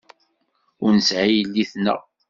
Ur nesεi yelli-tneɣ.